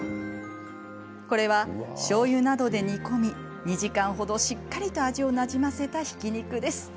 これは、しょうゆなどで煮込み２時間程しっかりと味をなじませた、ひき肉です。